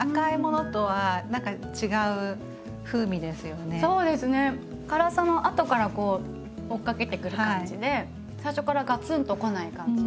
そうですね辛さも後からこう追っかけてくる感じで最初からガツンとこない感じ。